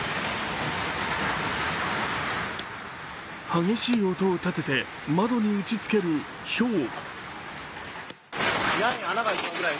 激しい音を立てて窓に打ち付けるひょう。